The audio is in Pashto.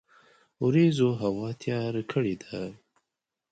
وریځوهوا تیار کړی ده